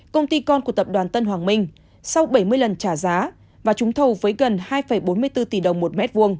công ty con của tập đoàn tân hoàng minh sau bảy mươi lần trả giá và trúng thầu với gần hai bốn mươi bốn tỷ đồng một m hai